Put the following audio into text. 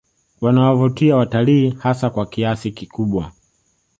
Wanawavutia watalii hasa kwa kiasi kikubwa